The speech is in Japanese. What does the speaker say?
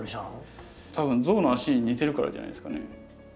多分象のあしに似てるからじゃないですかね？